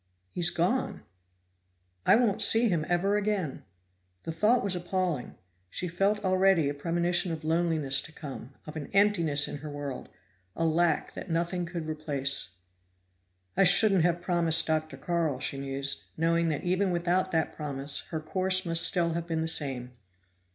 "He's gone! I won't see him ever again." The thought was appalling; she felt already a premonition of loneliness to come, of an emptiness in her world, a lack that nothing could replace. "I shouldn't have promised Dr. Carl," she mused, knowing that even without that promise her course must still have been the same.